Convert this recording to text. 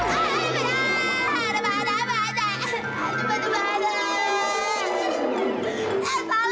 ah ada pada